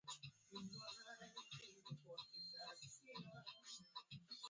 oka keki ya viazi lishe kwa moto wa chini